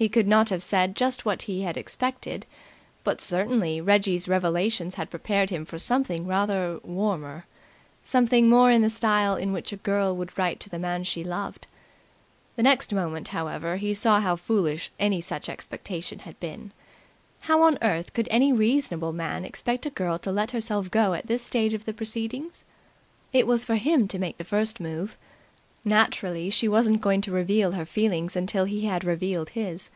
He could not have said just what he had expected, but certainly Reggie's revelations had prepared him for something rather warmer, something more in the style in which a girl would write to the man she loved. The next moment, however, he saw how foolish any such expectation had been. How on earth could any reasonable man expect a girl to let herself go at this stage of the proceedings? It was for him to make the first move. Naturally she wasn't going to reveal her feelings until he had revealed his.